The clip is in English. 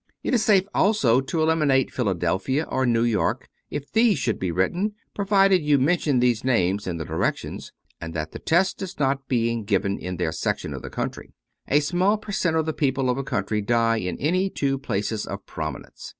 It is safe also to eliminate Philadelphia or New York if these should be written, providing you mentioned these names in the directions, and that the test is not being given in their section of the country. A small pef cent of the people of a country die in any two places of prominence.